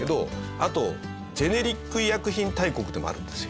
あとジェネリック医薬品大国でもあるんですよ。